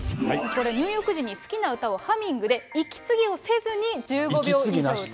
これ、入浴時にお風呂でハミングで息継ぎをせずに１５秒以上歌う。